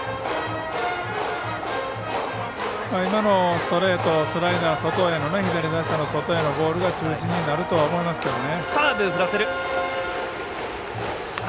ストレートスライダー、左打者への外へのボールが中心にはなると思いますけどね。